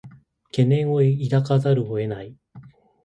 懸念を抱かざるを得ない